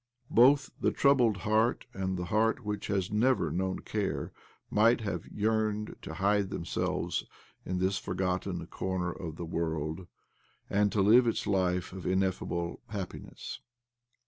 Both the troubled heart and the heart which has never known care might have yearned to hide themselves in this forgotten comer of the world, and to live its life of ineffable happiness.